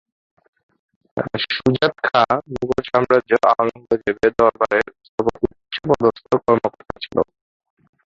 সুজাত খাঁ মুঘল সম্রাট আওরঙ্গজেবের দরবারের উচ্চপদস্থ কর্মকর্তা ছিল।